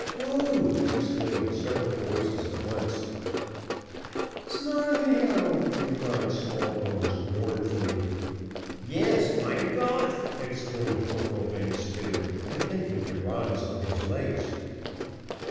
"Who?" exclaimed several voices at once. "Snarleyyow," replied Smallbones, mournfully. "Yes mein Gott!" exclaimed Corporal Van Spitter, attempting to rise on his legs.